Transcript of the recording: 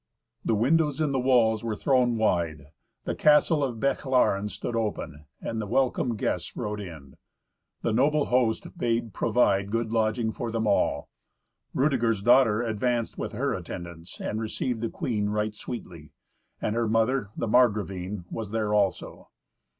The windows in the walls were thrown wide, the Castle of Bechlaren stood open, and the welcome guests rode in. The noble host bade provide good lodging for them all. Rudeger's daughter advanced with her attendants and received the queen right sweetly, and her mother, the Margravine, was there also.